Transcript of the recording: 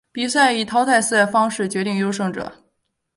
比赛以淘汰赛方式决定优胜者。